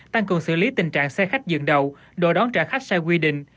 tăng cường xử lý tình trạng xe khách dựng đầu đòi đón trả khách sai quy định